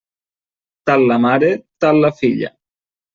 Tal la mare, tal la filla.